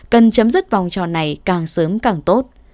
cần chấm dứt vòng trò này càng sớm càng tốt